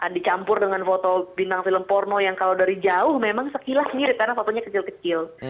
dicampur dengan foto bintang film porno yang kalau dari jauh memang sekilas mirip karena fotonya kecil kecil